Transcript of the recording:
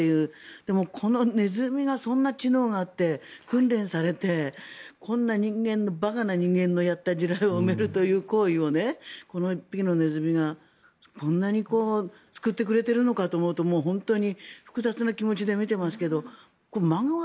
でもネズミがそんな知能があって訓練されてこんな人間の馬鹿な人間のやった地雷を見つけるという行為をこの１匹のネズミがこんなに救ってくれるのかと思うと本当に複雑な気持ちで見ていますけどマガワ